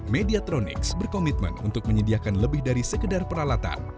mediatronics berkomitmen untuk menyediakan lebih dari sekedar peralatan